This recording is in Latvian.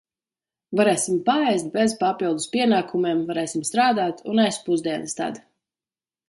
Varēsim paēst bez papildus pienākumiem, varēsim strādāt un ēst pusdienas tad.